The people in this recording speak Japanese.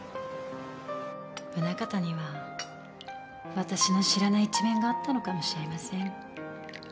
宗形には私の知らない一面があったのかもしれません。